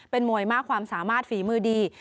เป็นมวยมากความสามารถฝีมือดี